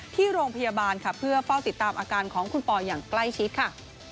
ที่โรงพยาบาลค่ะเพื่อเฝ้าติดตามอาการของคุณปอยอย่างใกล้ชิดค่ะ